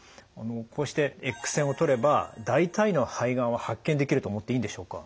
こうしてエックス線を撮れば大体の肺がんは発見できると思っていいんでしょうか？